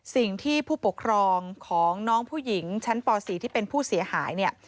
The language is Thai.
สิ่งที่ผู้ปกครองของน้องผู้หญิงชั้นป๔ที่เป็นผู้เสียหายเนี่ย